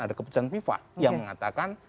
ada keputusan fifa yang mengatakan